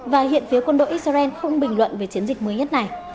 và hiện phía quân đội israel không bình luận về chiến dịch mới nhất này